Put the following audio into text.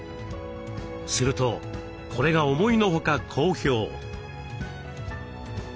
するとこれが思いのほか好評。